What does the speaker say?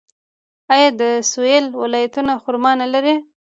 آیا د سویل ولایتونه خرما نلري؟